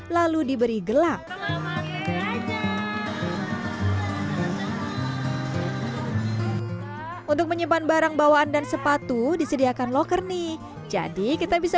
lalu diberi gelang untuk menyimpan barang bawaan dan sepatu disediakan loker nih jadi kita bisa